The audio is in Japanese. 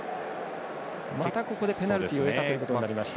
またここでペナルティを得たことになりました。